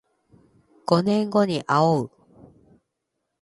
五年後にあおう